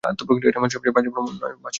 এটা আমার সবচেয়ে বাজে ভ্রমণ নয়, বাছা।